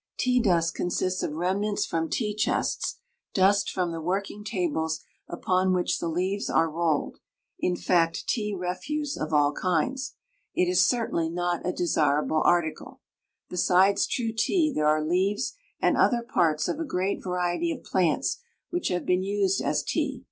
Tea dust consists of remnants from tea chests, dust from the working tables upon which the leaves are rolled in fact, tea refuse of all kinds. It is certainly not a desirable article. Besides true tea there are leaves and other parts of a great variety of plants which have been used as tea.